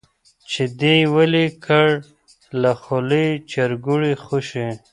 چي دي ولي کړ له خولې چرګوړی خوشي